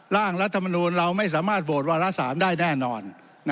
ร่างรัฐมนูนเราไม่สามารถโบสถ์ว่าละสามได้แน่นอน